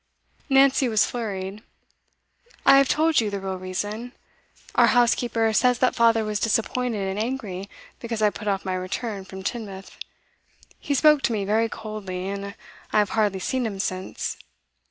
Nancy was flurried. 'I have told you the real reason. Our housekeeper says that father was disappointed and angry because I put off my return from Teignmouth. He spoke to me very coldly, and I have hardly seen him since.